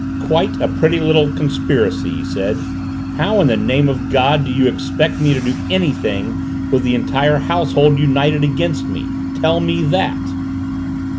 "Quite a pretty little conspiracy," he said. "How in the name of God do you expect me to do anything with the entire household united against me? Tell me that."